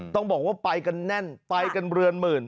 ต้องบอกว่าไปกันแน่นไปกันเรือนหมื่น